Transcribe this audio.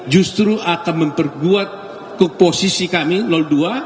justru akan memperkuat ke posisi kami lolol dua